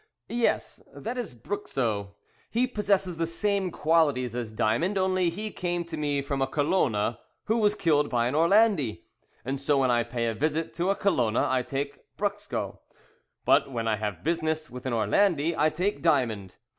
"Yes, that is Brucso, he possesses the same qualities as Diamond, only he came to me from a Colona who was killed by an Orlandi, and so when I pay a visit to a Colona I take Brucso, but when I have business with an Orlandi I take Diamond.